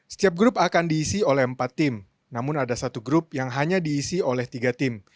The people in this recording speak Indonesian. setiap grup akan diisi oleh empat tim namun ada satu grup yang hanya diisi oleh tiga tim